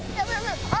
あ！